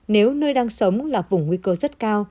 nếu nơi đang sống là vùng nguy cơ rất cao